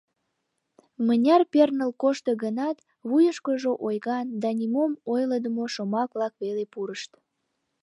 Мыняр перныл кошто гынат, вуйышкыжо ойган да нимом ойлыдымо шомак-влак веле пурышт.